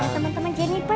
teman teman jennifer pak